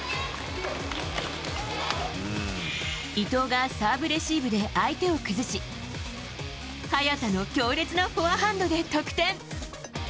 伊藤がサーブレシーブで相手を崩し早田の強烈なフォアハンドで得点。